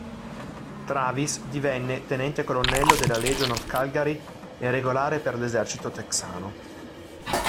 Travis divenne tenente colonnello della Legion of Cavalry e regolare per l'esercito texano.